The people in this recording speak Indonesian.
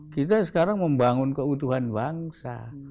kita sekarang membangun keutuhan bangsa